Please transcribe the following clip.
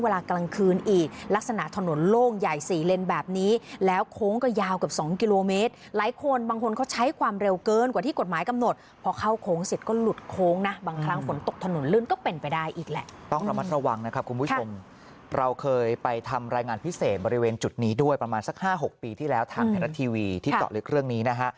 เวลากลางคืนอีกลักษณะถนนโล่งใหญ่สี่เลนแบบนี้แล้วโค้งก็ยาวเกือบสองกิโลเมตรหลายคนบางคนเขาใช้ความเร็วเกินกว่าที่กฎหมายกำหนดพอเข้าโค้งเสร็จก็หลุดโค้งนะบางครั้งฝนตกถนนลื่นก็เป็นไปได้อีกแหละต้องระมัดระวังนะครับคุณผู้ชมเราเคยไปทำรายงานพิเศษบริเวณจุดนี้ด้วยประมาณสักห้าหกปีที่แล้วทางไทยรัฐทีวีที่เจาะลึกเรื่องนี้นะฮะ